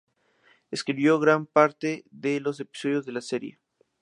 Escribió gran parte de los episodios de la serie.